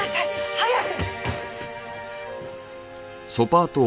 早く！